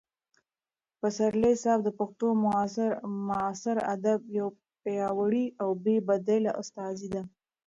پسرلي صاحب د پښتو معاصر ادب یو پیاوړی او بې بدیله استازی دی.